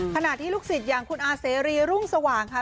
ขณะที่ลูกศิษย์อย่างคุณอาเสรีรุ่งสว่างค่ะ